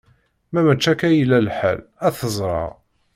Ma mačči akka i yella lḥal, ad t-ẓreɣ.